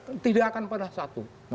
ini tidak akan pernah satu